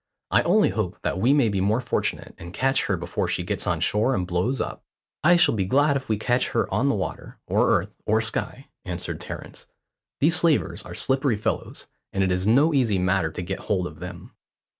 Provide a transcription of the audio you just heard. "I only hope that we may be more fortunate, and catch her before she gets on shore and blows up." "I shall be glad if we can catch her on the water, or earth, or sky," answered Terence. "These slavers are slippery fellows, and it is no easy matter to get hold of them."